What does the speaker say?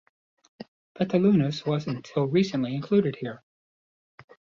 "Petulanos" was until recently included here.